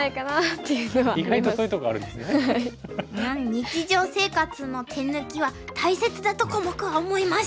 日常生活の手抜きは大切だとコモクは思います。